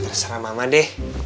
terserah mama deh